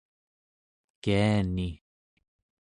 kiani